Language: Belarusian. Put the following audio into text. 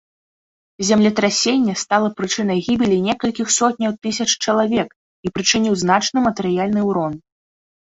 Землетрасенне стала прычынай гібелі некалькіх сотняў тысяч чалавек і прычыніў значны матэрыяльны ўрон.